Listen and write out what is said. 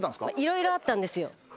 色々あったんですよ。